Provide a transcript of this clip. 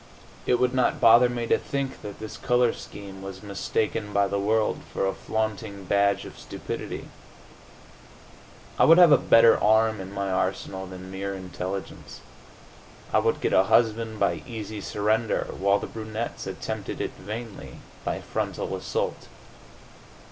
It would not bother me to think that this color scheme was mistaken by the world for a flaunting badge of stupidity; I would have a better arm in my arsenal than mere intelligence; I would get a husband by easy surrender while the brunettes attempted it vainly by frontal assault.